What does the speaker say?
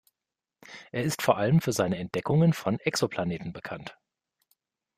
Er ist vor allem für seine Entdeckungen von Exoplaneten bekannt.